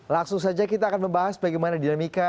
langsung saja kita akan membahas bagaimana dinamika